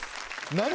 何？